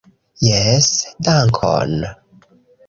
Jes dankon!